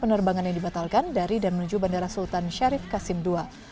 penerbangan yang dibatalkan dari dan menuju bandara sultan syarif kasim ii